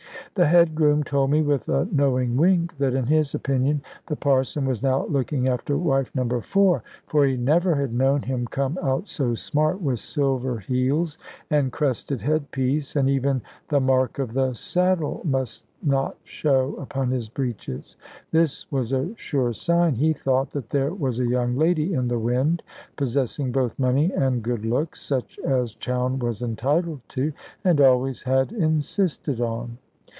The head groom told me, with a knowing wink, that in his opinion the Parson was now looking after wife No. 4, for he never had known him come out so smart with silver heels and crested head piece, and even the mark of the saddle must not show upon his breeches. This was a sure sign, he thought, that there was a young lady in the wind, possessing both money and good looks, such as Chowne was entitled to, and always had insisted on.